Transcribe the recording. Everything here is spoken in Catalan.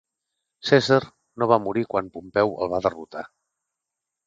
Cèsar no va morir quan Pompeu el va derrotar.